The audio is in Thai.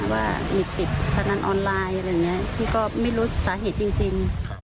ว่าเด็กติดพนันออนไลน์อะไรอย่างนี้พี่ก็ไม่รู้สาเหตุจริง